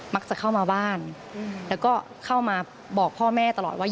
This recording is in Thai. เข้ามาบ้านแล้วก็เข้ามาบอกพ่อแม่ตลอดว่า